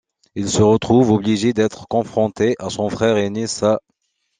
Il se retrouve obligé d'être confronté à son frère aîné Sa...